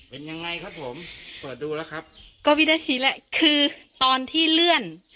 เป็นยังไงครับผมเปิดดูแล้วครับก็วินาทีแรกคือตอนที่เลื่อน